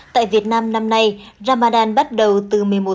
tại việt nam năm nay ramadan bắt đầu từ mùa xuân